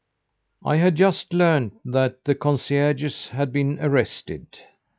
"I had just learned that the concierges had been arrested.